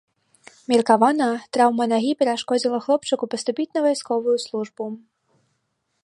Меркавана, траўма нагі перашкодзіла хлопчыку паступіць на вайсковую службу.